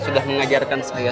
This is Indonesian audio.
sudah mengajarkan saya